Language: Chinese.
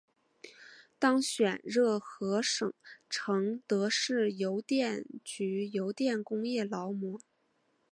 当选热河省承德市邮电局邮电工业劳模。